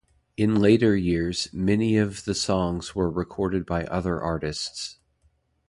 In later years, many of the songs were recorded by other artists.